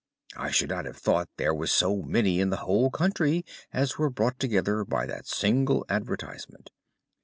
I should not have thought there were so many in the whole country as were brought together by that single advertisement.